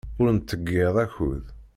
Ur nettḍeyyiɛ akud.